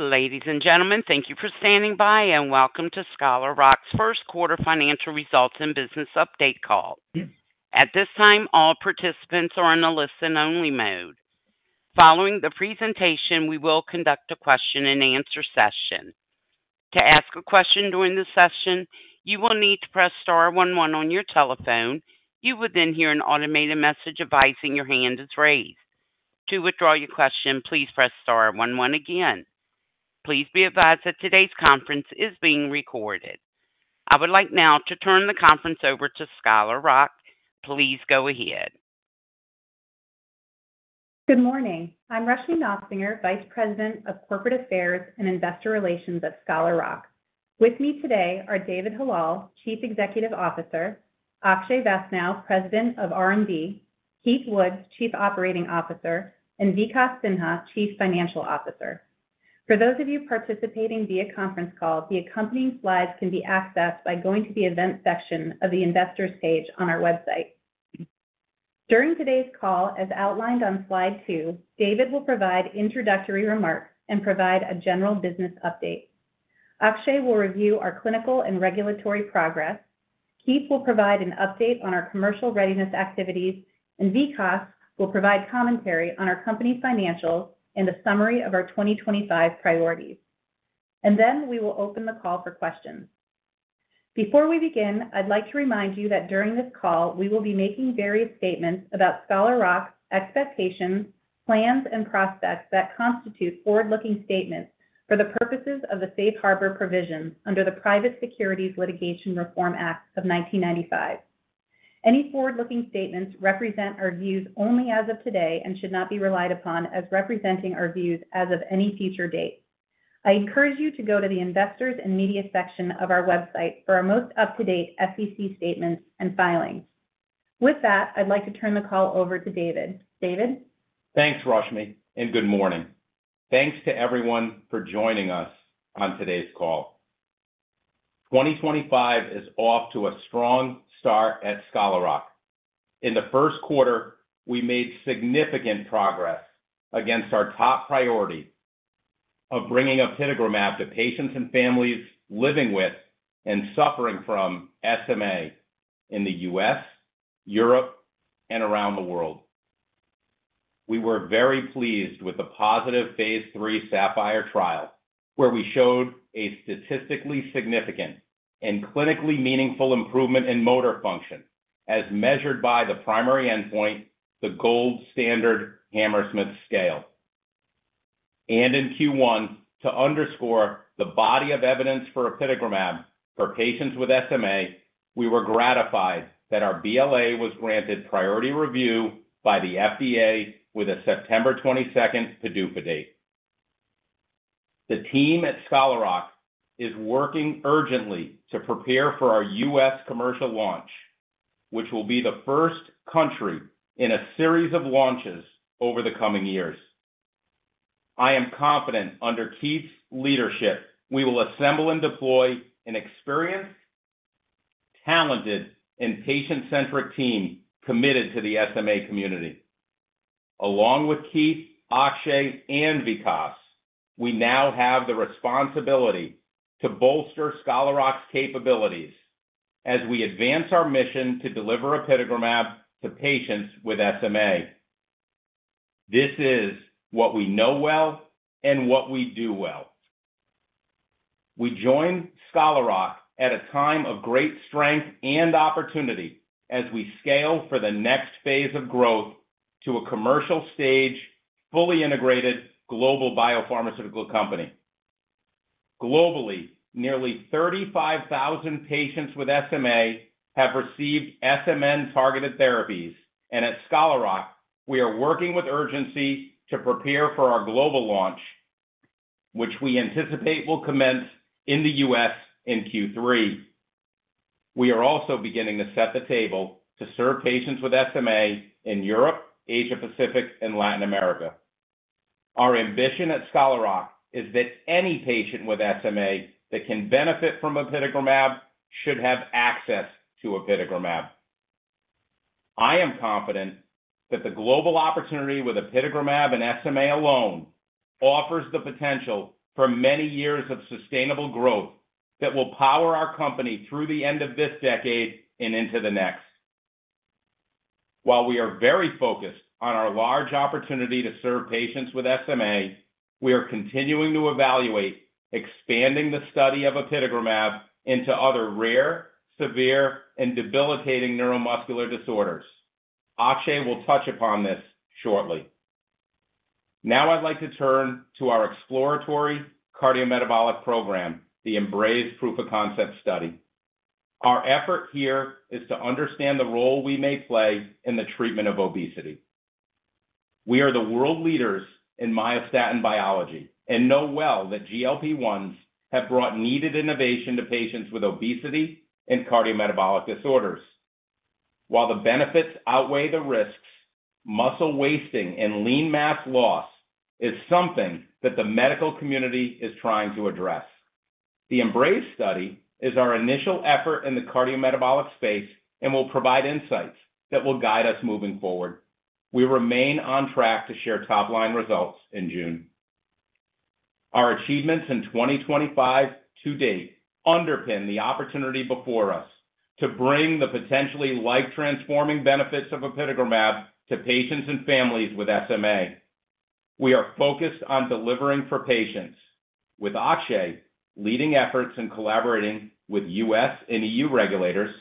Ladies and gentlemen, thank you for standing by and welcome to Scholar Rock's First Quarter Financial Results and Business Update Call. At this time, all participants are in a listen-only mode. Following the presentation, we will conduct a question-and-answer session. To ask a question during the session, you will need to press star 11 on your telephone. You will then hear an automated message advising your hand is raised. To withdraw your question, please press star 11 again. Please be advised that today's conference is being recorded. I would like now to turn the conference over to Scholar Rock. Please go ahead. Good morning. I'm Rushmie Nofsinger, Vice President of Corporate Affairs and Investor Relations at Scholar Rock. With me today are David Hallal, Chief Executive Officer, Akshay Vaishnaw, President of R&D, Keith Woods, Chief Operating Officer, and Vikas Sinha, Chief Financial Officer. For those of you participating via conference call, the accompanying slides can be accessed by going to the event section of the investors' page on our website. During today's call, as outlined on slide two, David will provide introductory remarks and provide a general business update. Akshay will review our clinical and regulatory progress. Keith will provide an update on our commercial readiness activities, and Vikas will provide commentary on our company financials and a summary of our 2025 priorities. We will open the call for questions. Before we begin, I'd like to remind you that during this call, we will be making various statements about Scholar Rock's expectations, plans, and prospects that constitute forward-looking statements for the purposes of the Safe Harbor Provisions under the Private Securities Litigation Reform Act of 1995. Any forward-looking statements represent our views only as of today and should not be relied upon as representing our views as of any future date. I encourage you to go to the investors' and media section of our website for our most up-to-date SEC statements and filings. With that, I'd like to turn the call over to David. David. Thanks, Rushmie, and good morning. Thanks to everyone for joining us on today's call. 2025 is off to a strong start at Scholar Rock. In the first quarter, we made significant progress against our top priority of bringing apitegromab to patients and families living with and suffering from SMA in the U.S., Europe, and around the world. We were very pleased with the positive phase 3 SAPPHIRE trial, where we showed a statistically significant and clinically meaningful improvement in motor function as measured by the primary endpoint, the gold standard Hammersmith Functional Motor Scale. In Q1, to underscore the body of evidence for apitegromab for patients with SMA, we were gratified that our BLA was granted priority review by the FDA with a September 22, 2025 PDUFA date. The team at Scholar Rock is working urgently to prepare for our U.S. commercial launch, which will be the first country in a series of launches over the coming years. I am confident under Keith's leadership, we will assemble and deploy an experienced, talented, and patient-centric team committed to the SMA community. Along with Keith, Akshay, and Vikas, we now have the responsibility to bolster Scholar Rock's capabilities as we advance our mission to deliver apitegromab to patients with SMA. This is what we know well and what we do well. We join Scholar Rock at a time of great strength and opportunity as we scale for the next phase of growth to a commercial stage, fully integrated global biopharmaceutical company. Globally, nearly 35,000 patients with SMA have received SMN-targeted therapies, and at Scholar Rock, we are working with urgency to prepare for our global launch, which we anticipate will commence in the U.S. in Q3. We are also beginning to set the table to serve patients with SMA in Europe, Asia-Pacific, and Latin America. Our ambition at Scholar Rock is that any patient with SMA that can benefit from apitegromab should have access to apitegromab. I am confident that the global opportunity with apitegromab and SMA alone offers the potential for many years of sustainable growth that will power our company through the end of this decade and into the next. While we are very focused on our large opportunity to serve patients with SMA, we are continuing to evaluate expanding the study of apitegromab into other rare, severe, and debilitating neuromuscular disorders. Akshay will touch upon this shortly. Now, I'd like to turn to our exploratory cardiometabolic program, the EMBRAZE Proof of Concept study. Our effort here is to understand the role we may play in the treatment of obesity. We are the world leaders in myostatin biology and know well that GLP-1s have brought needed innovation to patients with obesity and cardiometabolic disorders. While the benefits outweigh the risks, muscle wasting and lean mass loss is something that the medical community is trying to address. The EMBRAZE study is our initial effort in the cardiometabolic space and will provide insights that will guide us moving forward. We remain on track to share top-line results in June. Our achievements in 2025 to date underpin the opportunity before us to bring the potentially life-transforming benefits of apitegromab to patients and families with SMA. We are focused on delivering for patients, with Akshay leading efforts and collaborating with U.S. and EU regulators.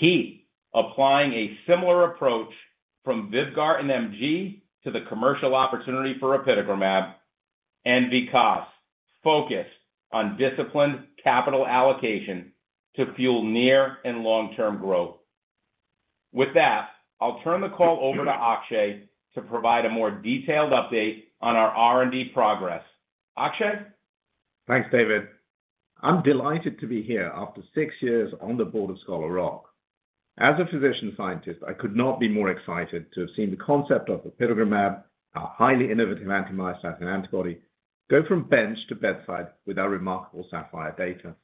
Keith, applying a similar approach from Vyvgart and MG to the commercial opportunity for apitegromab, and Vikas focused on disciplined capital allocation to fuel near and long-term growth. With that, I'll turn the call over to Akshay to provide a more detailed update on our R&D progress. Akshay? Thanks, David. I'm delighted to be here after six years on the board of Scholar Rock. As a physician scientist, I could not be more excited to have seen the concept of apitegromab, our highly innovative anti-myostatin antibody, go from bench to bedside with our remarkable SAPPHIRE data.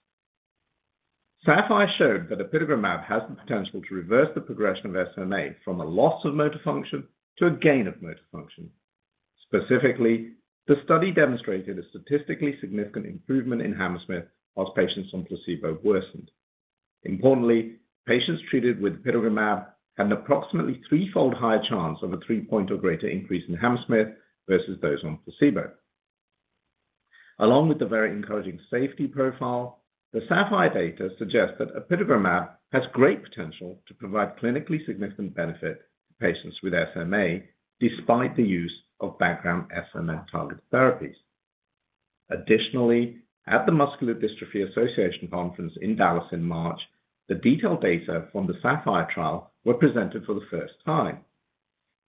SAPPHIRE showed that apitegromab has the potential to reverse the progression of SMA from a loss of motor function to a gain of motor function. Specifically, the study demonstrated a statistically significant improvement in Hammersmith as patients on placebo worsened. Importantly, patients treated with apitegromab had an approximately threefold higher chance of a three-point or greater increase in Hammersmith versus those on placebo. Along with the very encouraging safety profile, the SAPPHIRE data suggests that apitegromab has great potential to provide clinically significant benefit to patients with SMA despite the use of background SMN-targeted therapies. Additionally, at the Muscular Dystrophy Association conference in Dallas in March, the detailed data from the SAPPHIRE trial were presented for the first time.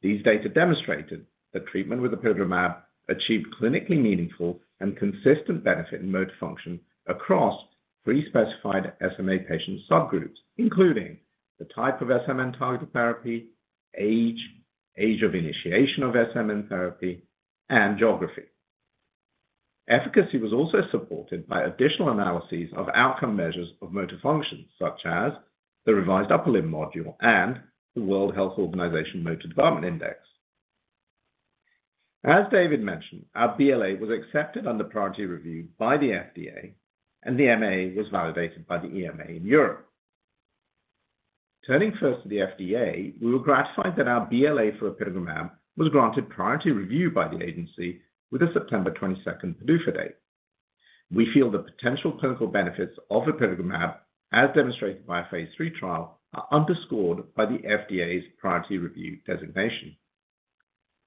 These data demonstrated that treatment with apitegromab achieved clinically meaningful and consistent benefit in motor function across three specified SMA patient subgroups, including the type of SMN-targeted therapy, age, age of initiation of SMN therapy, and geography. Efficacy was also supported by additional analyses of outcome measures of motor function, such as the revised upper limb module and the World Health Organization Motor Development Index. As David mentioned, our BLA was accepted under priority review by the FDA, and the MAA was validated by the EMA in Europe. Turning first to the FDA, we were gratified that our BLA for apitegromab was granted priority review by the agency with a September 22 PDUFA date. We feel the potential clinical benefits of apitegromab, as demonstrated by our phase 3 trial, are underscored by the FDA's priority review designation.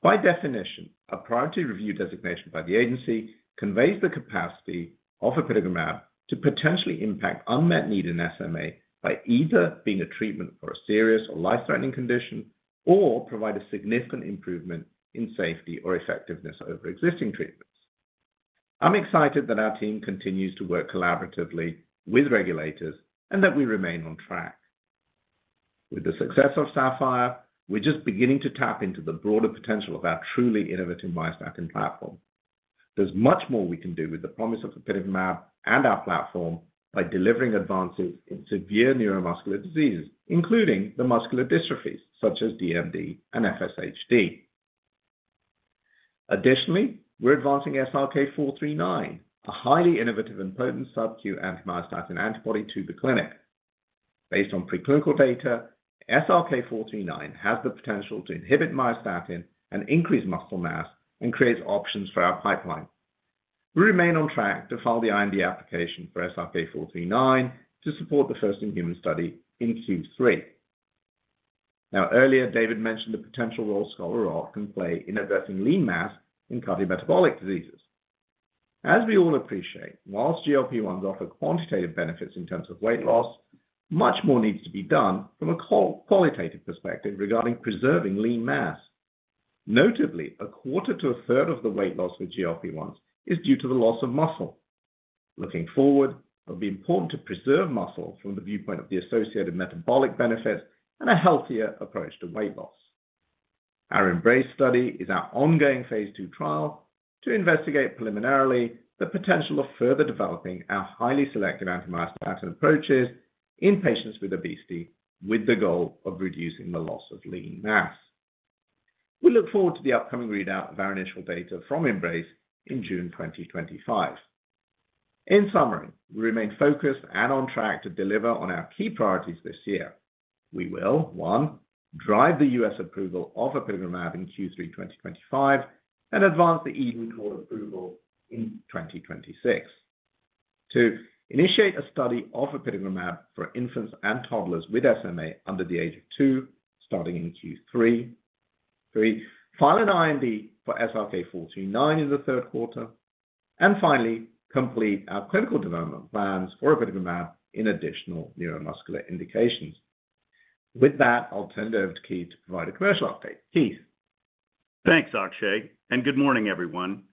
By definition, a priority review designation by the agency conveys the capacity of apitegromab to potentially impact unmet need in SMA by either being a treatment for a serious or life-threatening condition or provide a significant improvement in safety or effectiveness over existing treatments. I'm excited that our team continues to work collaboratively with regulators and that we remain on track. With the success of SAPPHIRE, we're just beginning to tap into the broader potential of our truly innovative myostatin platform. There's much more we can do with the promise of apitegromab and our platform by delivering advances in severe neuromuscular diseases, including the muscular dystrophies such as DMD and FSHD. Additionally, we're advancing SRK-439, a highly innovative and potent subcutaneous anti-myostatin antibody to the clinic. Based on preclinical data, SRK-439 has the potential to inhibit myostatin and increase muscle mass and creates options for our pipeline. We remain on track to file the IND application for SRK-439 to support the first in-human study in Q3. Now, earlier, David mentioned the potential role Scholar Rock can play in addressing lean mass in cardiometabolic diseases. As we all appreciate, whilst GLP-1s offer quantitative benefits in terms of weight loss, much more needs to be done from a qualitative perspective regarding preserving lean mass. Notably, a quarter to a third of the weight loss with GLP-1s is due to the loss of muscle. Looking forward, it will be important to preserve muscle from the viewpoint of the associated metabolic benefits and a healthier approach to weight loss. Our Embrace study is our ongoing phase 2 trial to investigate preliminarily the potential of further developing our highly selective anti-myostatin approaches in patients with obesity with the goal of reducing the loss of lean mass. We look forward to the upcoming readout of our initial data from Embrace in June 2025. In summary, we remain focused and on track to deliver on our key priorities this year. We will, one, drive the U.S. approval of apitegromab in Q3 2025 and advance the EU approval in 2026. Two, initiate a study of apitegromab for infants and toddlers with SMA under the age of two starting in Q3. Three, file an IND for SRK-439 in the third quarter. Finally, complete our clinical development plans for apitegromab in additional neuromuscular indications. With that, I'll turn it over to Keith to provide a commercial update. Keith. Thanks, Akshay. Good morning, everyone.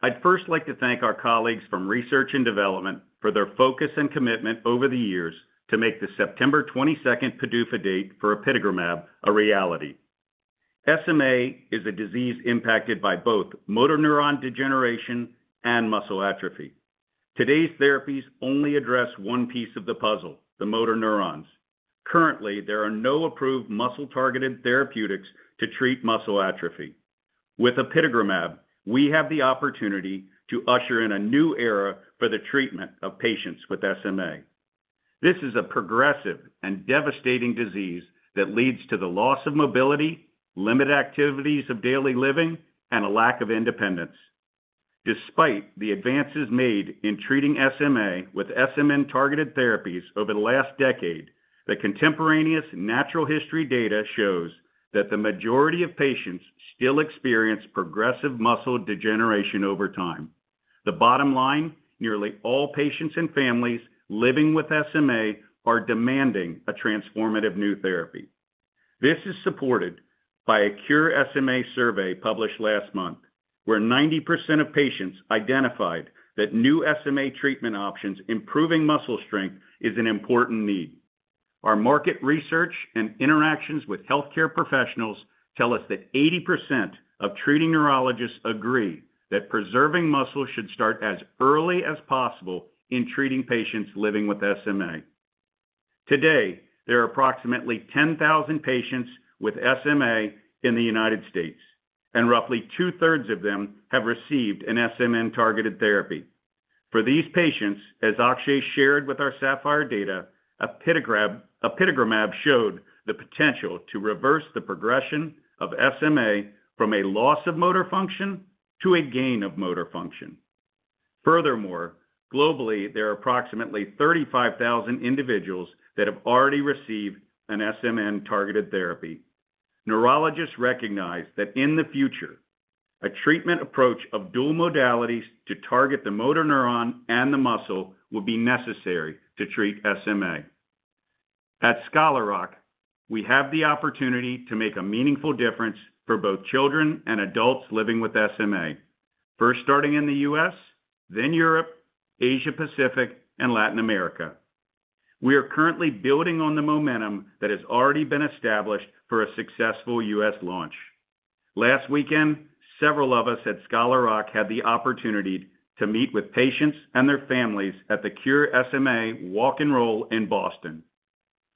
I'd first like to thank our colleagues from Research and Development for their focus and commitment over the years to make the September 22 PDUFA date for apitegromab a reality. SMA is a disease impacted by both motor neuron degeneration and muscle atrophy. Today's therapies only address one piece of the puzzle, the motor neurons. Currently, there are no approved muscle-targeted therapeutics to treat muscle atrophy. With apitegromab, we have the opportunity to usher in a new era for the treatment of patients with SMA. This is a progressive and devastating disease that leads to the loss of mobility, limited activities of daily living, and a lack of independence. Despite the advances made in treating SMA with SMN-targeted therapies over the last decade, the contemporaneous natural history data shows that the majority of patients still experience progressive muscle degeneration over time. The bottom line: nearly all patients and families living with SMA are demanding a transformative new therapy. This is supported by a Cure SMA survey published last month, where 90% of patients identified that new SMA treatment options improving muscle strength is an important need. Our market research and interactions with healthcare professionals tell us that 80% of treating neurologists agree that preserving muscle should start as early as possible in treating patients living with SMA. Today, there are approximately 10,000 patients with SMA in the United States, and roughly two-thirds of them have received an SMN-targeted therapy. For these patients, as Akshay shared with our SAPPHIRE data, apitegromab showed the potential to reverse the progression of SMA from a loss of motor function to a gain of motor function. Furthermore, globally, there are approximately 35,000 individuals that have already received an SMN-targeted therapy. Neurologists recognize that in the future, a treatment approach of dual modalities to target the motor neuron and the muscle will be necessary to treat SMA. At Scholar Rock, we have the opportunity to make a meaningful difference for both children and adults living with SMA, first starting in the U.S., then Europe, Asia-Pacific, and Latin America. We are currently building on the momentum that has already been established for a successful U.S. launch. Last weekend, several of us at Scholar Rock had the opportunity to meet with patients and their families at the Cure SMA walk and roll in Boston.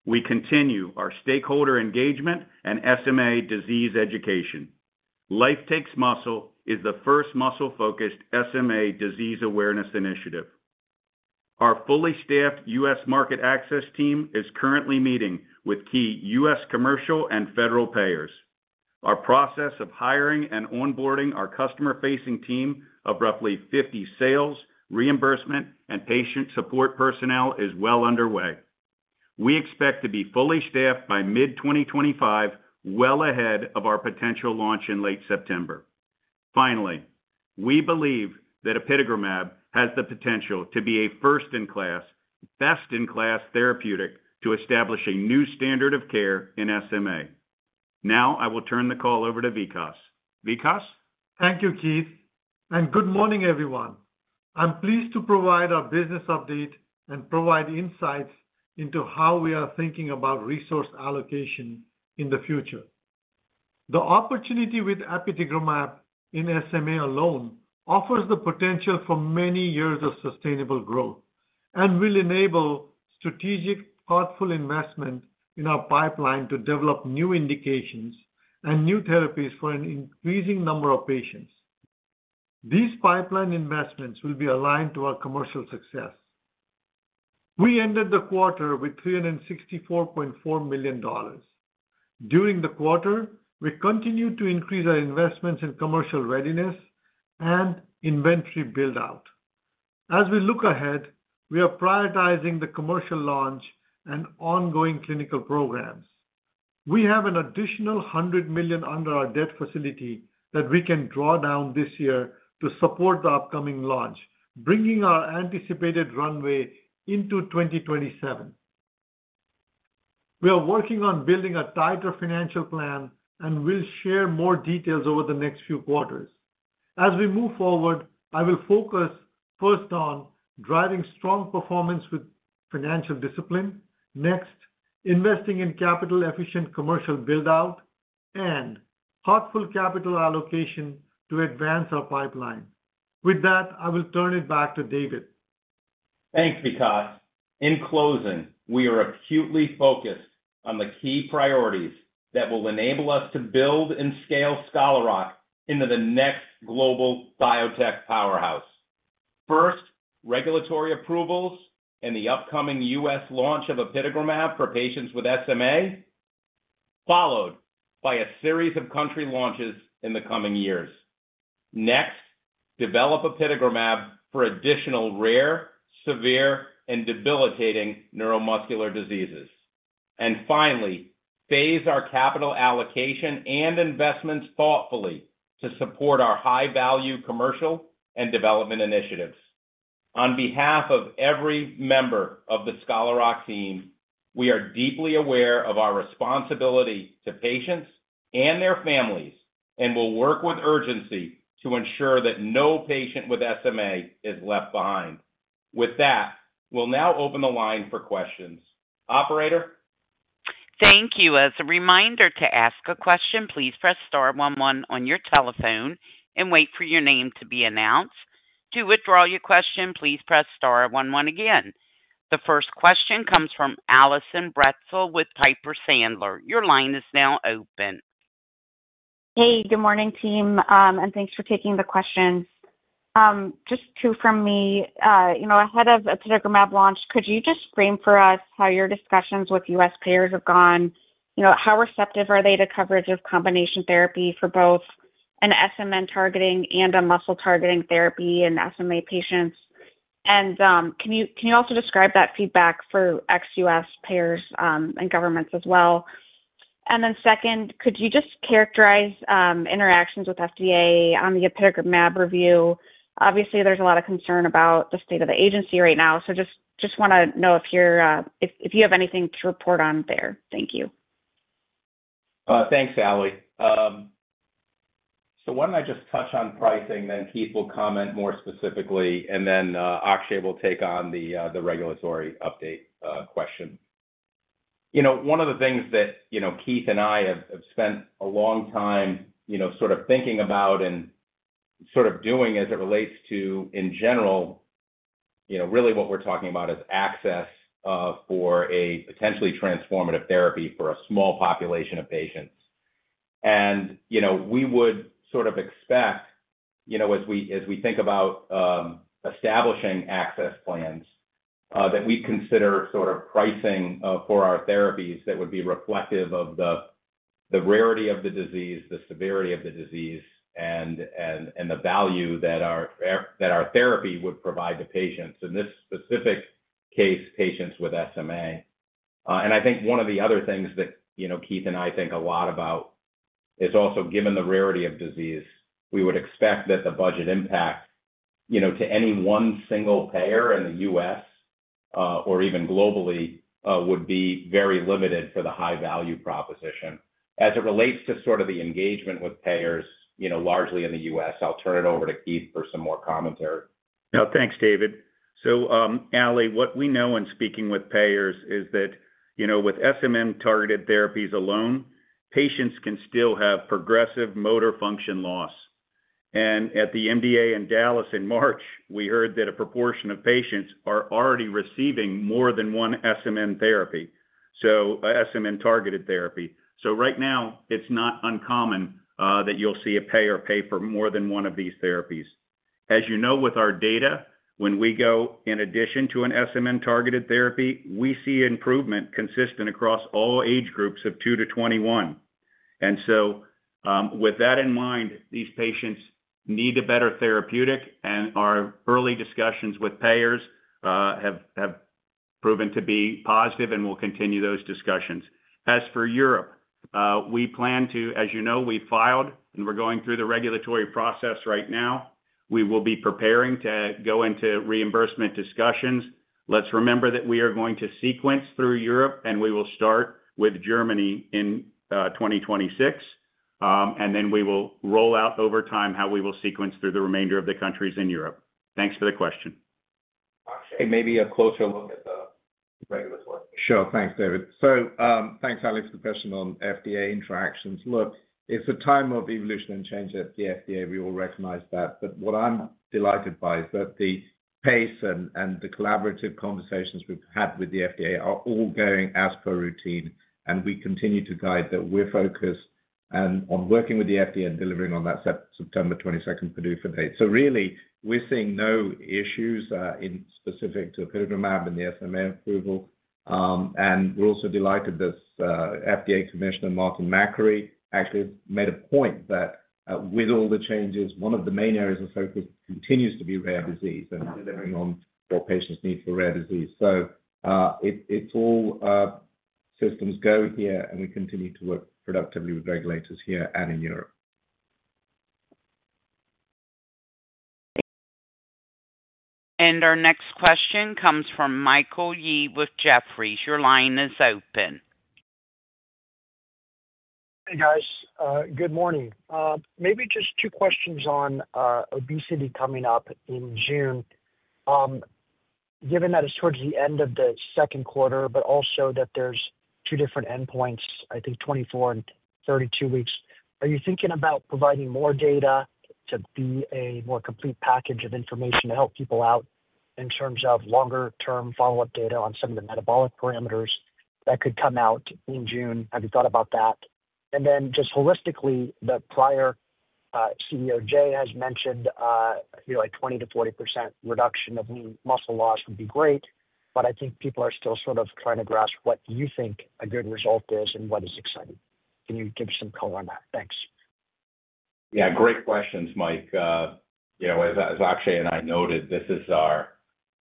We continue our stakeholder engagement and SMA disease education. Life Takes Muscle is the first muscle-focused SMA disease awareness initiative. Our fully staffed U.S. market access team is currently meeting with key U.S. commercial and federal payers. Our process of hiring and onboarding our customer-facing team of roughly 50 sales, reimbursement, and patient support personnel is well underway. We expect to be fully staffed by mid-2025, well ahead of our potential launch in late September. Finally, we believe that apitegromab has the potential to be a first-in-class, best-in-class therapeutic to establish a new standard of care in SMA. Now, I will turn the call over to Vikas. Vikas. Thank you, Keith. Good morning, everyone. I'm pleased to provide a business update and provide insights into how we are thinking about resource allocation in the future. The opportunity with apitegromab in SMA alone offers the potential for many years of sustainable growth and will enable strategic, thoughtful investment in our pipeline to develop new indications and new therapies for an increasing number of patients. These pipeline investments will be aligned to our commercial success. We ended the quarter with $364.4 million. During the quarter, we continued to increase our investments in commercial readiness and inventory build-out. As we look ahead, we are prioritizing the commercial launch and ongoing clinical programs. We have an additional $100 million under our debt facility that we can draw down this year to support the upcoming launch, bringing our anticipated runway into 2027. We are working on building a tighter financial plan and will share more details over the next few quarters. As we move forward, I will focus first on driving strong performance with financial discipline, next, investing in capital-efficient commercial build-out, and thoughtful capital allocation to advance our pipeline. With that, I will turn it back to David. Thanks, Vikas. In closing, we are acutely focused on the key priorities that will enable us to build and scale Scholar Rock into the next global biotech powerhouse. First, regulatory approvals and the upcoming U.S. launch of apitegromab for patients with SMA, followed by a series of country launches in the coming years. Next, develop apitegromab for additional rare, severe, and debilitating neuromuscular diseases. Finally, phase our capital allocation and investments thoughtfully to support our high-value commercial and development initiatives. On behalf of every member of the Scholar Rock team, we are deeply aware of our responsibility to patients and their families and will work with urgency to ensure that no patient with SMA is left behind. With that, we'll now open the line for questions. Operator. Thank you. As a reminder to ask a question, please press star 11 on your telephone and wait for your name to be announced. To withdraw your question, please press star 11 again. The first question comes from Allison Bratzel with Piper Sandler. Your line is now open. Hey, good morning, team. Thanks for taking the questions. Just two from me. Ahead of apitegromab launch, could you just frame for us how your discussions with U.S. payers have gone? How receptive are they to coverage of combination therapy for both an SMN-targeting and a muscle-targeting therapy in SMA patients? Can you also describe that feedback for ex-U.S. payers and governments as well? Second, could you just characterize interactions with FDA on the apitegromab review? Obviously, there's a lot of concern about the state of the agency right now. Just want to know if you have anything to report on there. Thank you. Thanks, Allie. Why don't I just touch on pricing, then Keith will comment more specifically, and then Akshay will take on the regulatory update question. One of the things that Keith and I have spent a long time sort of thinking about and sort of doing as it relates to, in general, really what we're talking about is access for a potentially transformative therapy for a small population of patients. We would sort of expect, as we think about establishing access plans, that we'd consider sort of pricing for our therapies that would be reflective of the rarity of the disease, the severity of the disease, and the value that our therapy would provide to patients, in this specific case, patients with SMA. I think one of the other things that Keith and I think a lot about is also, given the rarity of disease, we would expect that the budget impact to any one single payer in the U.S. or even globally would be very limited for the high-value proposition. As it relates to sort of the engagement with payers largely in the U.S., I'll turn it over to Keith for some more commentary. Thanks, David. Allie, what we know in speaking with payers is that with SMN-targeted therapies alone, patients can still have progressive motor function loss. At the MDA in Dallas in March, we heard that a proportion of patients are already receiving more than one SMN-targeted therapy. Right now, it's not uncommon that you'll see a payer pay for more than one of these therapies. As you know with our data, when we go in addition to an SMN-targeted therapy, we see improvement consistent across all age groups of 2 to 21. With that in mind, these patients need a better therapeutic, and our early discussions with payers have proven to be positive and we will continue those discussions. As for Europe, we plan to, as you know, we filed and we're going through the regulatory process right now. We will be preparing to go into reimbursement discussions. Let's remember that we are going to sequence through Europe, and we will start with Germany in 2026. We will roll out over time how we will sequence through the remainder of the countries in Europe. Thanks for the question. Akshay, maybe a closer look at the regulatory. Sure. Thanks, David. Thanks, Allie, for the question on FDA interactions. Look, it's a time of evolution and change at the FDA. We all recognize that. What I'm delighted by is that the pace and the collaborative conversations we've had with the FDA are all going as per routine. We continue to guide that we're focused on working with the FDA and delivering on that September 22, 2025 PDUFA date. Really, we're seeing no issues specific to apitegromab and the SMA approval. We're also delighted that FDA Commissioner Martin McCreary actually made a point that with all the changes, one of the main areas of focus continues to be rare disease and delivering on what patients need for rare disease. It's all systems go here, and we continue to work productively with regulators here and in Europe. Our next question comes from Michael Yee with Jefferies. Your line is open. Hey, guys. Good morning. Maybe just two questions on obesity coming up in June. Given that it's towards the end of the second quarter, but also that there's two different endpoints, I think 24 and 32 weeks, are you thinking about providing more data to be a more complete package of information to help people out in terms of longer-term follow-up data on some of the metabolic parameters that could come out in June? Have you thought about that? Also, just holistically, the prior CEO, Jay, has mentioned a 20-40% reduction of muscle loss would be great. I think people are still sort of trying to grasp what you think a good result is and what is exciting. Can you give some color on that? Thanks. Yeah, great questions, Mike. As Akshay and I noted, this is our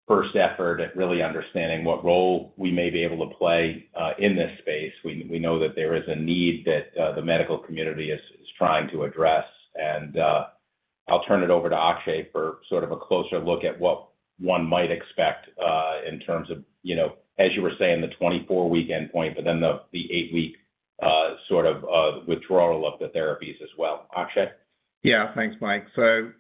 first effort at really understanding what role we may be able to play in this space. We know that there is a need that the medical community is trying to address. I will turn it over to Akshay for sort of a closer look at what one might expect in terms of, as you were saying, the 24-week endpoint, but then the 8-week sort of withdrawal of the therapies as well. Akshay? Yeah, thanks, Mike. The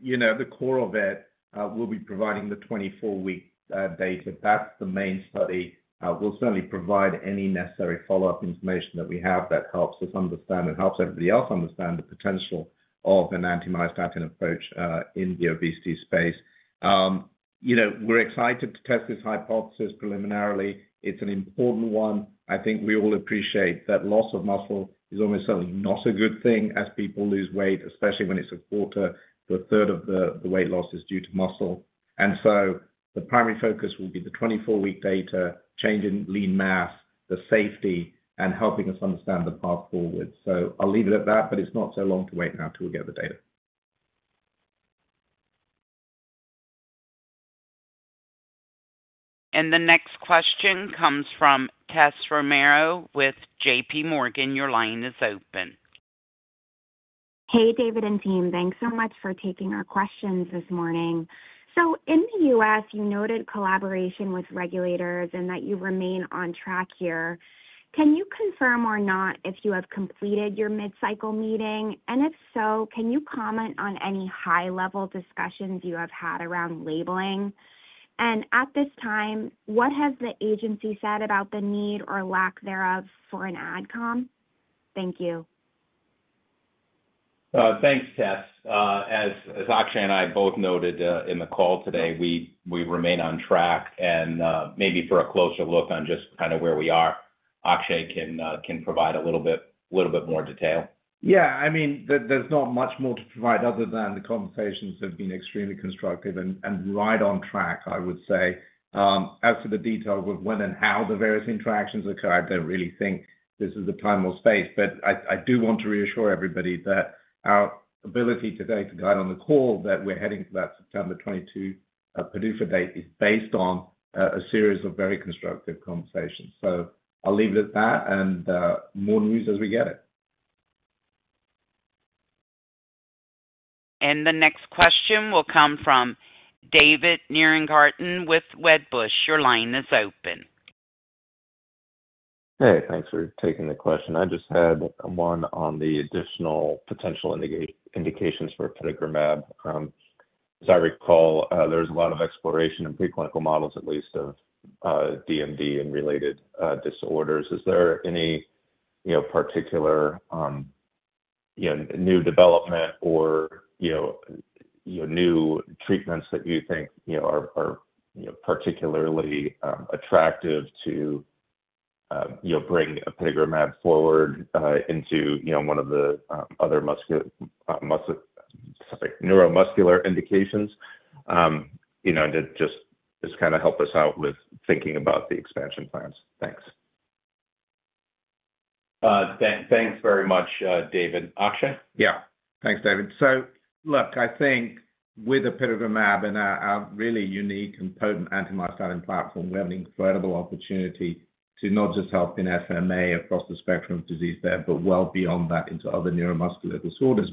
core of it will be providing the 24-week data. That's the main study. We'll certainly provide any necessary follow-up information that we have that helps us understand and helps everybody else understand the potential of an anti-myostatin approach in the obesity space. We're excited to test this hypothesis preliminarily. It's an important one. I think we all appreciate that loss of muscle is almost certainly not a good thing as people lose weight, especially when it's a quarter to a third of the weight loss is due to muscle. The primary focus will be the 24-week data, changing lean mass, the safety, and helping us understand the path forward. I'll leave it at that, but it's not so long to wait now until we get the data. The next question comes from Tessa Romero with JPMorgan. Your line is open. Hey, David and team. Thanks so much for taking our questions this morning. In the U.S., you noted collaboration with regulators and that you remain on track here. Can you confirm or not if you have completed your mid-cycle meeting? If so, can you comment on any high-level discussions you have had around labeling? At this time, what has the agency said about the need or lack thereof for an adcom? Thank you. Thanks, Tess. As Akshay and I both noted in the call today, we remain on track. Maybe for a closer look on just kind of where we are, Akshay can provide a little bit more detail. Yeah. I mean, there's not much more to provide other than the conversations have been extremely constructive and right on track, I would say. As for the detail of when and how the various interactions occurred, I don't really think this is the time or space. I do want to reassure everybody that our ability today to guide on the call that we're heading to that September 22 PDUFA date is based on a series of very constructive conversations. I'll leave it at that and more news as we get it. The next question will come from David Nierengarten with Wedbush. Your line is open. Hey, thanks for taking the question. I just had one on the additional potential indications for apitegromab. As I recall, there's a lot of exploration in preclinical models, at least, of DMD and related disorders. Is there any particular new development or new treatments that you think are particularly attractive to bring apitegromab forward into one of the other neuromuscular indications? And just kind of help us out with thinking about the expansion plans. Thanks. Thanks very much, David. Akshay? Yeah. Thanks, David. Look, I think with apitegromab and a really unique and potent anti-myostatin platform, we're having incredible opportunity to not just help in SMA across the spectrum of disease there, but well beyond that into other neuromuscular disorders,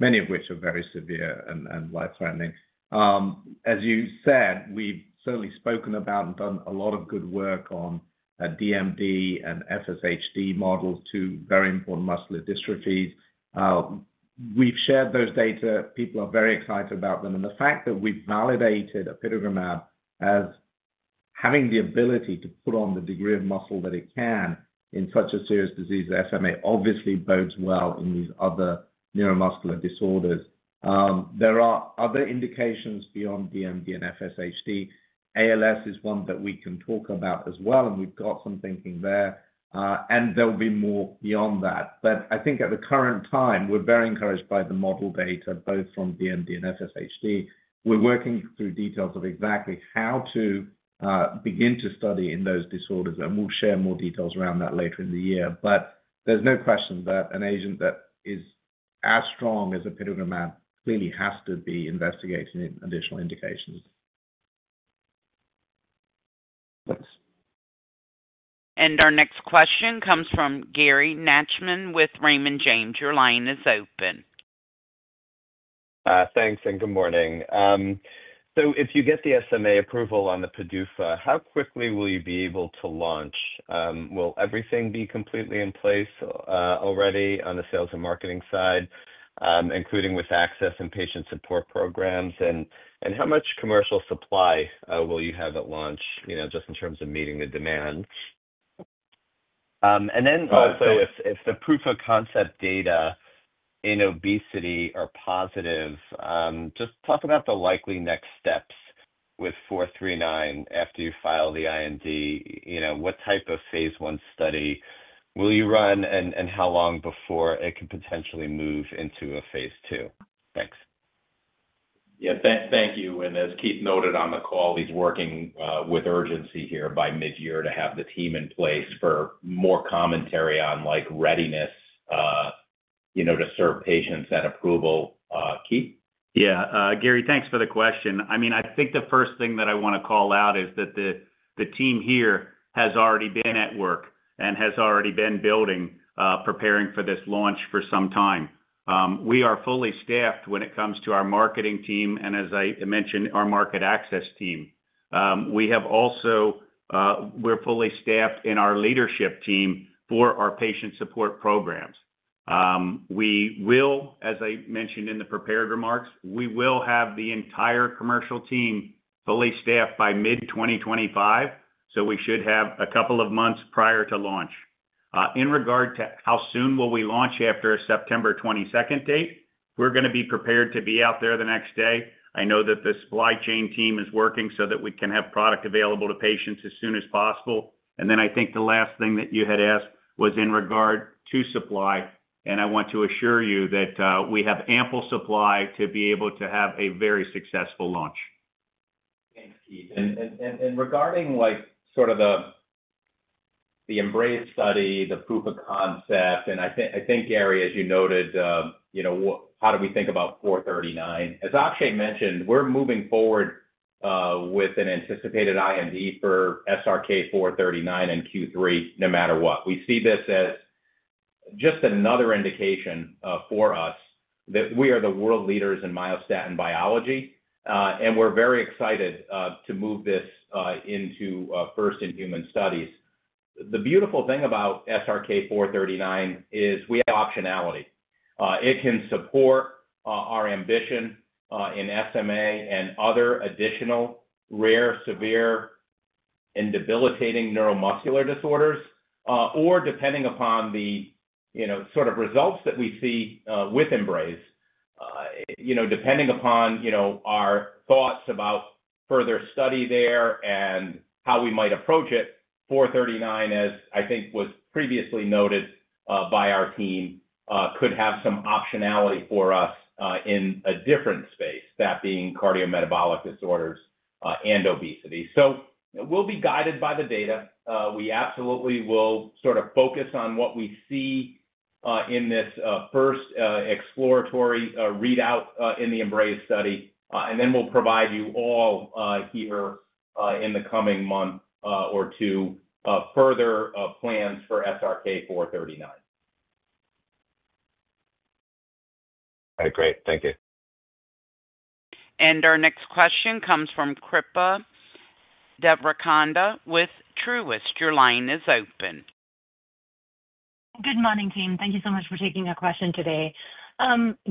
many of which are very severe and life-threatening. As you said, we've certainly spoken about and done a lot of good work on DMD and FSHD models, two very important muscular dystrophies. We've shared those data. People are very excited about them. The fact that we've validated apitegromab as having the ability to put on the degree of muscle that it can in such a serious disease as SMA obviously bodes well in these other neuromuscular disorders. There are other indications beyond DMD and FSHD. ALS is one that we can talk about as well, and we've got some thinking there. There will be more beyond that. I think at the current time, we're very encouraged by the model data, both from DMD and FSHD. We're working through details of exactly how to begin to study in those disorders. We'll share more details around that later in the year. There is no question that an agent that is as strong as apitegromab clearly has to be investigating additional indications. Our next question comes from Gary Nachman with Raymond James. Your line is open. Thanks, and good morning. If you get the SMA approval on the PDUFA, how quickly will you be able to launch? Will everything be completely in place already on the sales and marketing side, including with access and patient support programs? How much commercial supply will you have at launch just in terms of meeting the demand? Also, if the proof of concept data in obesity are positive, just talk about the likely next steps with 439 after you file the IND. What type of phase one study will you run, and how long before it can potentially move into a phase two? Thanks. Yeah, thank you. As Keith noted on the call, he's working with urgency here by mid-year to have the team in place for more commentary on readiness to serve patients and approval. Keith? Yeah. Gary, thanks for the question. I mean, I think the first thing that I want to call out is that the team here has already been at work and has already been building, preparing for this launch for some time. We are fully staffed when it comes to our marketing team and, as I mentioned, our market access team. We have also been fully staffed in our leadership team for our patient support programs. As I mentioned in the prepared remarks, we will have the entire commercial team fully staffed by mid-2025, so we should have a couple of months prior to launch. In regard to how soon will we launch after a September 22 date, we're going to be prepared to be out there the next day. I know that the supply chain team is working so that we can have product available to patients as soon as possible. I think the last thing that you had asked was in regard to supply. I want to assure you that we have ample supply to be able to have a very successful launch. Thanks, Keith. Regarding sort of the Embrace study, the proof of concept, and I think, Gary, as you noted, how do we think about 439? As Akshay mentioned, we're moving forward with an anticipated IND for SRK-439 in Q3 no matter what. We see this as just another indication for us that we are the world leaders in myostatin biology. We're very excited to move this into first-in-human studies. The beautiful thing about SRK-439 is we have optionality. It can support our ambition in SMA and other additional rare, severe, and debilitating neuromuscular disorders. Depending upon the sort of results that we see with Embrace, depending upon our thoughts about further study there and how we might approach it, 439, as I think was previously noted by our team, could have some optionality for us in a different space, that being cardiometabolic disorders and obesity. We'll be guided by the data. We absolutely will sort of focus on what we see in this first exploratory readout in the EMBRACE study. Then we'll provide you all here in the coming month or two further plans for SRK-439. All right. Great. Thank you. Our next question comes from Kripa Devarakonda with Truist. Your line is open. Good morning, team. Thank you so much for taking our question today.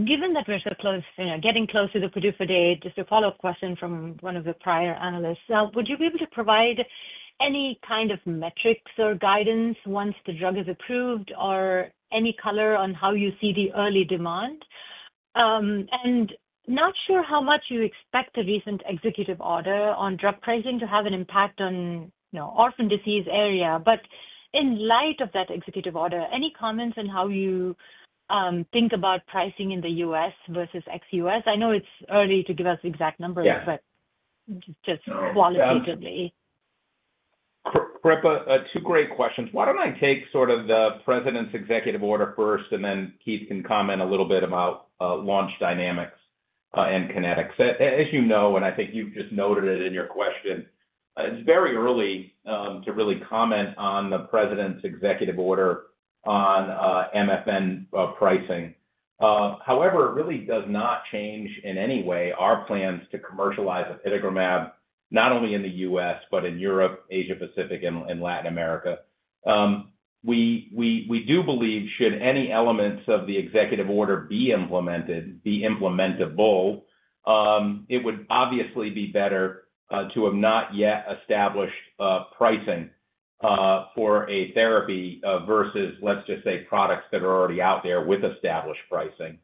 Given that we're getting close to the PDUFA date, just a follow-up question from one of the prior analysts. Would you be able to provide any kind of metrics or guidance once the drug is approved or any color on how you see the early demand? Not sure how much you expect the recent executive order on drug pricing to have an impact on orphan disease area. In light of that executive order, any comments on how you think about pricing in the U.S. versus ex-U.S.? I know it's early to give us exact numbers, but just qualitatively. Kripa, two great questions. Why do not I take sort of the President's executive order first, and then Keith can comment a little bit about launch dynamics and kinetics? As you know, and I think you have just noted it in your question, it is very early to really comment on the President's executive order on MFN pricing. However, it really does not change in any way our plans to commercialize apitegromab, not only in the U.S., but in Europe, Asia-Pacific, and Latin America. We do believe should any elements of the executive order be implemented, be implementable, it would obviously be better to have not yet established pricing for a therapy versus, let us just say, products that are already out there with established pricing.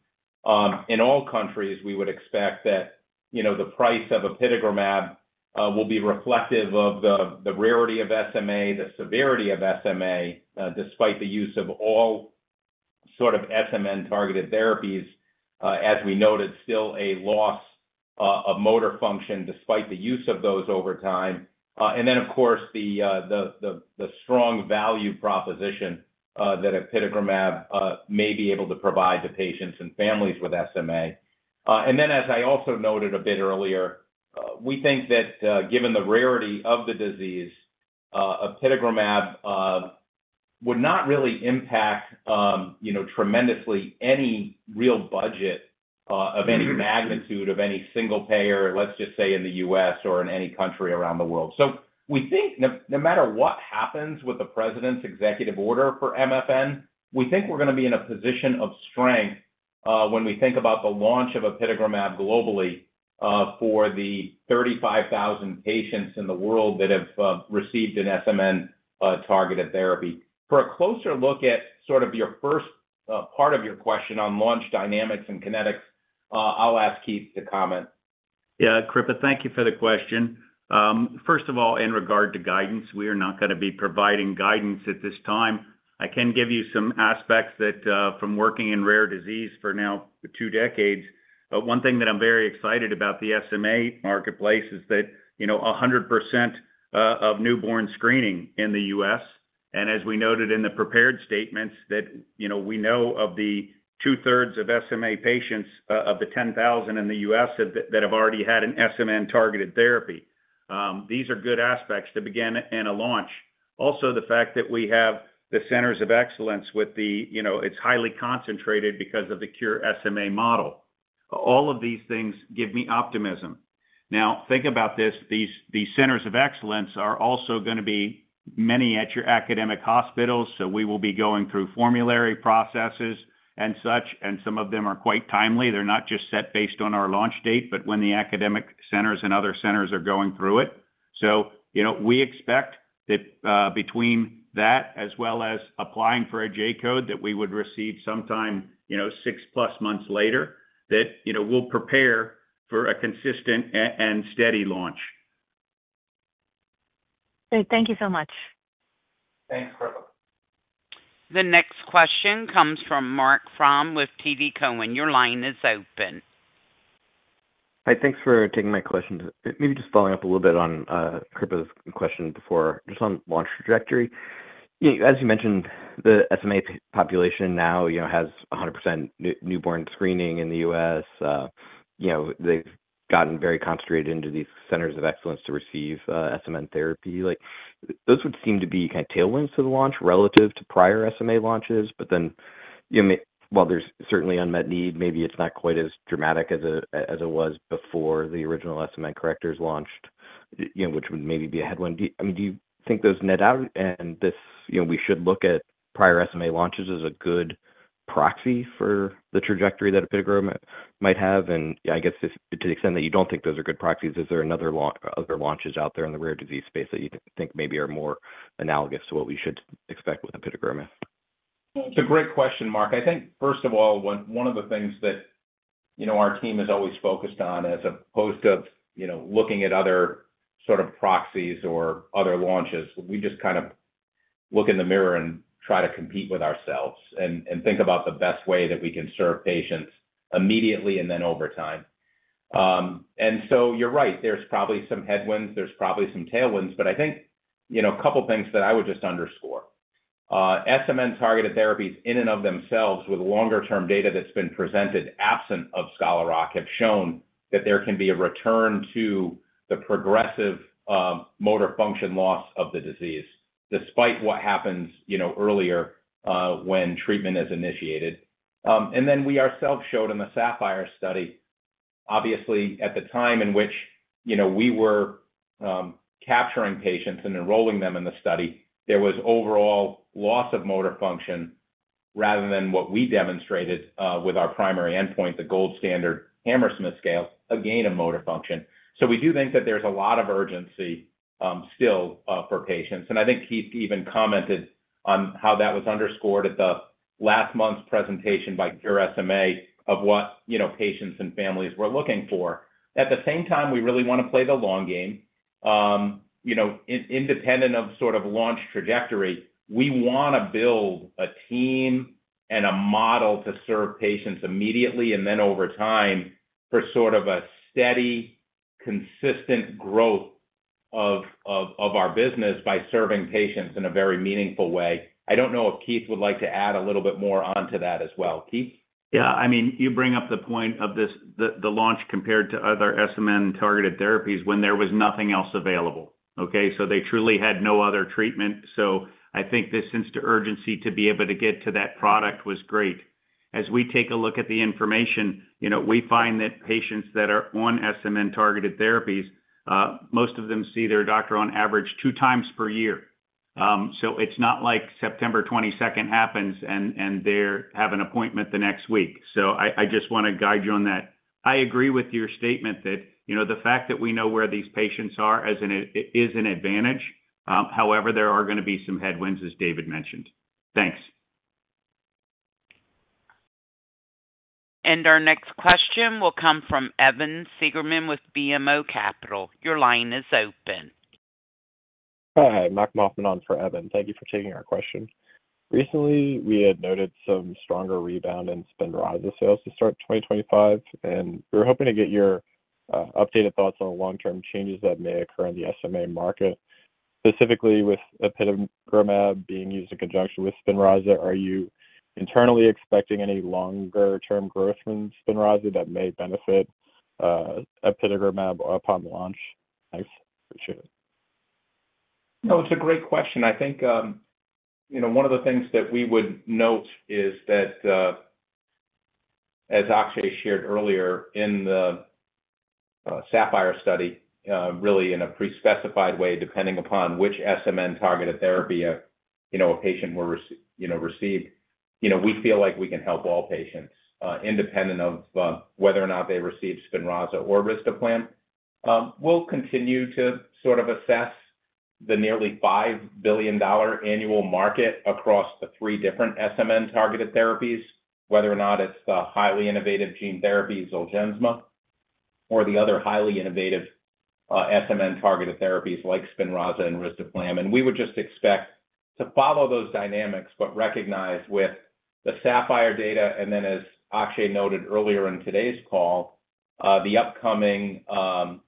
In all countries, we would expect that the price of apitegromab will be reflective of the rarity of SMA, the severity of SMA, despite the use of all sorts of SMN-targeted therapies, as we noted, still a loss of motor function despite the use of those over time. Of course, the strong value proposition that apitegromab may be able to provide to patients and families with SMA. As I also noted a bit earlier, we think that given the rarity of the disease, apitegromab would not really impact tremendously any real budget of any magnitude of any single payer, let's just say, in the U.S. or in any country around the world. We think no matter what happens with the president's executive order for MFN, we think we're going to be in a position of strength when we think about the launch of apitegromab globally for the 35,000 patients in the world that have received an SMN-targeted therapy. For a closer look at sort of your first part of your question on launch dynamics and kinetics, I'll ask Keith to comment. Yeah, Kripa, thank you for the question. First of all, in regard to guidance, we are not going to be providing guidance at this time. I can give you some aspects from working in rare disease for now two decades. One thing that I'm very excited about in the SMA marketplace is that 100% of newborn screening in the U.S. And as we noted in the prepared statements, we know of the two-thirds of SMA patients of the 10,000 in the U.S. that have already had an SMN-targeted therapy. These are good aspects to begin in a launch. Also, the fact that we have the centers of excellence, it's highly concentrated because of the Cure SMA model. All of these things give me optimism. Now, think about this. These centers of excellence are also going to be many at your academic hospitals. We will be going through formulary processes and such. Some of them are quite timely. They're not just set based on our launch date, but when the academic centers and other centers are going through it. We expect that between that as well as applying for a J code that we would receive sometime six-plus months later, that we'll prepare for a consistent and steady launch. Great. Thank you so much. Thanks, Kripa. The next question comes from Marc Frahm with TD Cowen. Your line is open. Hi, thanks for taking my question. Maybe just following up a little bit on Kripa's question before, just on launch trajectory. As you mentioned, the SMA population now has 100% newborn screening in the U.S. They've gotten very concentrated into these centers of excellence to receive SMN therapy. Those would seem to be kind of tailwinds to the launch relative to prior SMA launches. While there's certainly unmet need, maybe it's not quite as dramatic as it was before the original SMN correctors launched, which would maybe be a headwind. I mean, do you think those net out? We should look at prior SMA launches as a good proxy for the trajectory that apitegromab might have. I guess to the extent that you don't think those are good proxies, is there other launches out there in the rare disease space that you think maybe are more analogous to what we should expect with apitegromab? It's a great question, Mark. I think, first of all, one of the things that our team has always focused on as opposed to looking at other sort of proxies or other launches, we just kind of look in the mirror and try to compete with ourselves and think about the best way that we can serve patients immediately and then over time. You're right. There's probably some headwinds. There's probably some tailwinds. I think a couple of things that I would just underscore. SMN-targeted therapies in and of themselves, with longer-term data that's been presented absent of Scholar Rock, have shown that there can be a return to the progressive motor function loss of the disease despite what happens earlier when treatment is initiated. We ourselves showed in the Sapphire study, obviously, at the time in which we were capturing patients and enrolling them in the study, there was overall loss of motor function rather than what we demonstrated with our primary endpoint, the gold standard Hammersmith scale, a gain of motor function. We do think that there's a lot of urgency still for patients. I think Keith even commented on how that was underscored at last month's presentation by Cure SMA of what patients and families were looking for. At the same time, we really want to play the long game. Independent of sort of launch trajectory, we want to build a team and a model to serve patients immediately and then over time for sort of a steady, consistent growth of our business by serving patients in a very meaningful way. I don't know if Keith would like to add a little bit more onto that as well. Keith? Yeah. I mean, you bring up the point of the launch compared to other SMN-targeted therapies when there was nothing else available. Okay? So they truly had no other treatment. So I think this sense of urgency to be able to get to that product was great. As we take a look at the information, we find that patients that are on SMN-targeted therapies, most of them see their doctor on average two times per year. So it is not like September 22 happens and they have an appointment the next week. So I just want to guide you on that. I agree with your statement that the fact that we know where these patients are is an advantage. However, there are going to be some headwinds, as David mentioned. Thanks. Our next question will come from Evan Siegerman with BMO Capital. Your line is open. Hi, I'm Mark Moffman on for Evan. Thank you for taking our question. Recently, we had noted some stronger rebound in Spinraza sales to start 2025. We were hoping to get your updated thoughts on long-term changes that may occur in the SMA market, specifically with apitegromab being used in conjunction with Spinraza. Are you internally expecting any longer-term growth in Spinraza that may benefit apitegromab upon launch? Thanks. Appreciate it. No, it's a great question. I think one of the things that we would note is that, as Akshay shared earlier in the SAPPHIRE study, really in a pre-specified way, depending upon which SMN-targeted therapy a patient received, we feel like we can help all patients independent of whether or not they receive Spinraza or Evrysdi. We'll continue to sort of assess the nearly $5 billion annual market across the three different SMN-targeted therapies, whether or not it's the highly innovative gene therapy, Zolgensma, or the other highly innovative SMN-targeted therapies like Spinraza and Evrysdi. We would just expect to follow those dynamics, but recognize with the SAPPHIRE data, and then, as Akshay noted earlier in today's call, the upcoming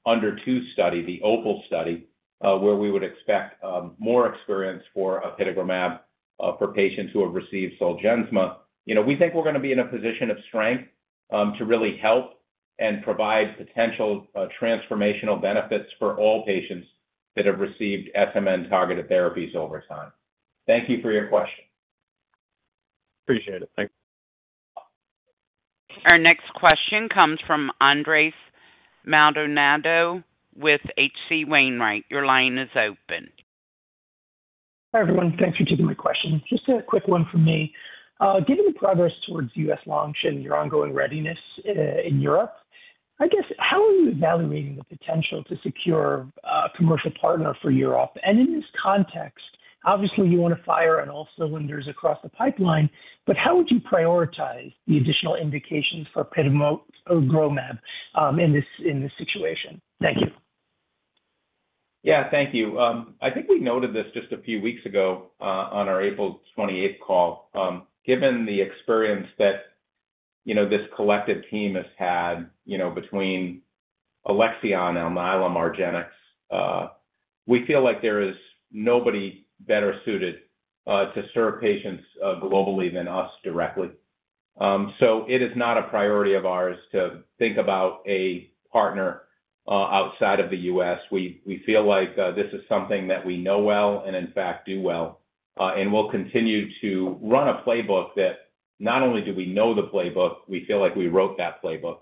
UNDER TWO study, the OPAL study, where we would expect more experience for apitegromab for patients who have received Zolgensma. We think we're going to be in a position of strength to really help and provide potential transformational benefits for all patients that have received SMN-targeted therapies over time. Thank you for your question. Appreciate it. Thanks. Our next question comes from Andres Maldonado with H.C. Wainwright. Your line is open. Hi, everyone. Thanks for taking my question. Just a quick one from me. Given the progress towards U.S. launch and your ongoing readiness in Europe, I guess, how are you evaluating the potential to secure a commercial partner for Europe? In this context, obviously, you want to fire on all cylinders across the pipeline, but how would you prioritize the additional indications for apitegromab in this situation? Thank you. Yeah, thank you. I think we noted this just a few weeks ago on our April 28th call. Given the experience that this collective team has had between Alexion and Mylan Argenx, we feel like there is nobody better suited to serve patients globally than us directly. It is not a priority of ours to think about a partner outside of the U.S. We feel like this is something that we know well and, in fact, do well. We'll continue to run a playbook that not only do we know the playbook, we feel like we wrote that playbook.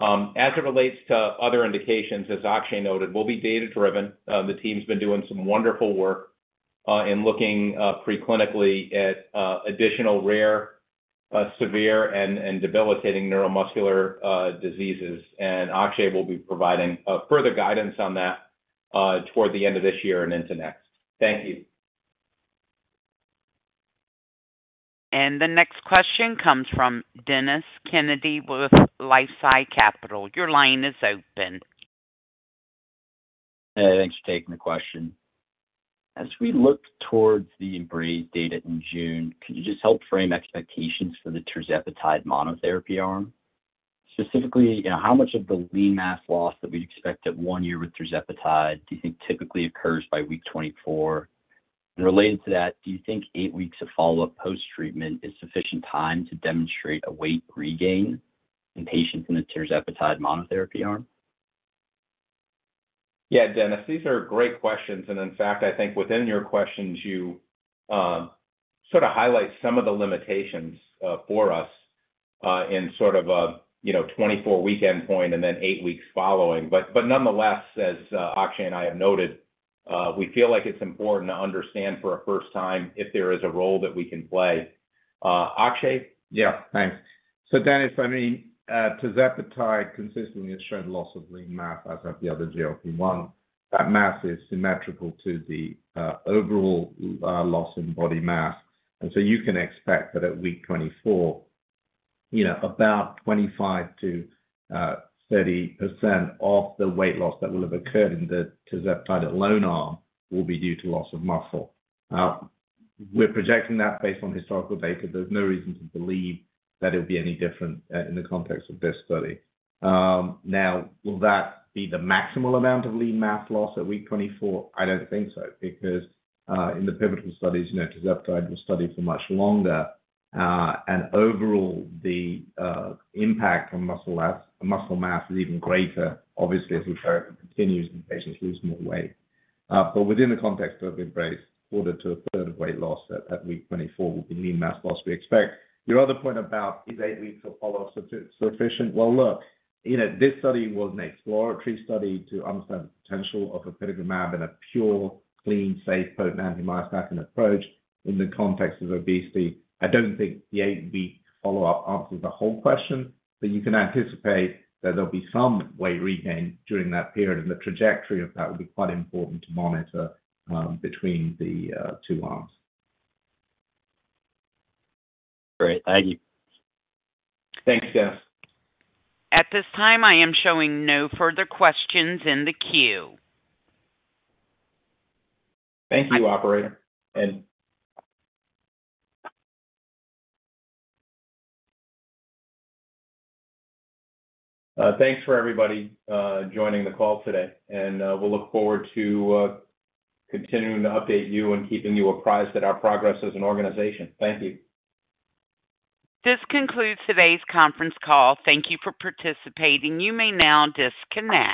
As it relates to other indications, as Akshay noted, we'll be data-driven. The team's been doing some wonderful work in looking preclinically at additional rare, severe, and debilitating neuromuscular diseases. Akshay will be providing further guidance on that toward the end of this year and into next. Thank you. The next question comes from Dennis Kennedy with LifeSci Capital. Your line is open. Thanks for taking the question. As we look towards the Embrace data in June, could you just help frame expectations for the tirzepatide monotherapy arm? Specifically, how much of the lean mass loss that we'd expect at one year with tirzepatide do you think typically occurs by week 24? And related to that, do you think eight weeks of follow-up post-treatment is sufficient time to demonstrate a weight regain in patients in the tirzepatide monotherapy arm? Yeah, Dennis, these are great questions. In fact, I think within your questions, you sort of highlight some of the limitations for us in sort of a 24-week endpoint and then eight weeks following. Nonetheless, as Akshay and I have noted, we feel like it's important to understand for a first time if there is a role that we can play. Akshay? Yeah, thanks. Dennis, I mean, tirzepatide consistently has shed loss of lean mass as have the other GLP-1. That mass is symmetrical to the overall loss in body mass. You can expect that at week 24, about 25%-30% of the weight loss that will have occurred in the tirzepatide alone arm will be due to loss of muscle. We're projecting that based on historical data. There's no reason to believe that it'll be any different in the context of this study. Now, will that be the maximal amount of lean mass loss at week 24? I don't think so. Because in the pivotal studies, tirzepatide will study for much longer. Overall, the impact on muscle mass is even greater, obviously, as we continue as the patients lose more weight. Within the context of Embrace, a quarter to a third of weight loss at week 24 will be lean mass loss. We expect your other point about is eight weeks of follow-up sufficient? This study was an exploratory study to understand the potential of apitegromab in a pure, clean, safe, potent anti-myostatin approach in the context of obesity. I do not think the eight-week follow-up answers the whole question, but you can anticipate that there will be some weight regain during that period. The trajectory of that will be quite important to monitor between the two arms. Great. Thank you. Thanks, Dennis. At this time, I am showing no further questions in the queue. Thank you, Operator. Thank you for everybody joining the call today. We look forward to continuing to update you and keeping you apprised of our progress as an organization. Thank you. This concludes today's conference call. Thank you for participating. You may now disconnect.